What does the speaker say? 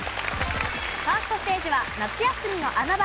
ファーストステージは夏休みの穴場